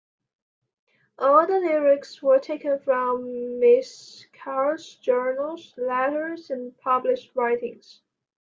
All the lyrics were taken from Ms. Carr's journals, letters, and published writings.